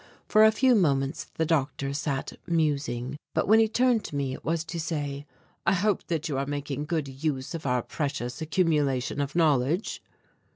For a few moments the doctor sat musing; but when he turned to me it was to say: "I hope that you are making good use of our precious accumulation of knowledge."